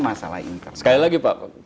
masalah income sekali lagi pak